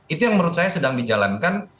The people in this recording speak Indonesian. itu yang menurut saya sedang dijalankan